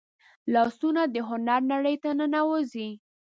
لاسونه د هنر نړۍ ته ننوځي